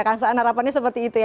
kang saan harapannya seperti itu ya